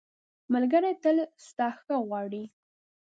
ملګری تل ستا ښه غواړي.